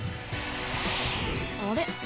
あれ？